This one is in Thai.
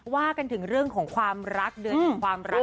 ว่ากันถึงเรื่องของความรักเดือนแห่งความรัก